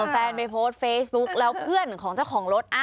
แฟนไปโพสต์เฟซบุ๊กแล้วเพื่อนของเจ้าของรถ